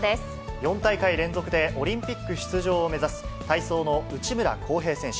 ４大会連続でオリンピック出場を目指す、体操の内村航平選手。